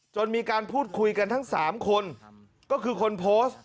มีการพูดคุยกันทั้ง๓คนก็คือคนโพสต์